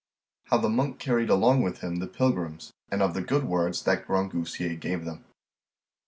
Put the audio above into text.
How the Monk carried along with him the Pilgrims, and of the good words that Grangousier gave them.